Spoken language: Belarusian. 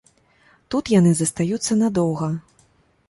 Тут яны застаюцца надоўга.